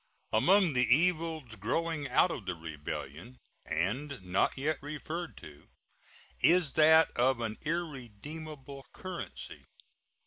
Among the evils growing out of the rebellion, and not yet referred to, is that of an irredeemable currency.